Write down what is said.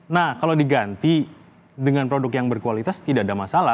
nah kalau diganti dengan produk yang berkualitas tidak ada masalah